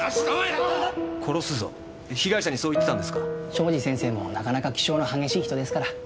庄司先生もなかなか気性の激しい人ですから。